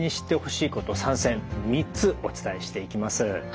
３つお伝えしていきます。